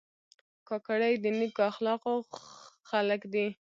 کاکړي د نیکو اخلاقو خلک دي.